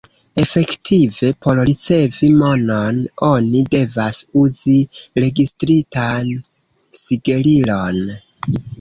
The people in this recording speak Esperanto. Efektive, por ricevi monon, oni devas uzi registritan sigelilon.